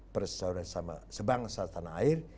persesuaian sama sebangsa tanah air